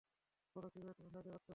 বলো কীভাবে তোমাকে সাহায্য করতে পারি?